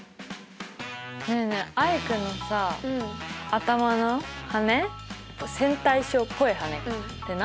ねえねえアイクのさ頭の羽線対称っぽい羽って何の役に立つの？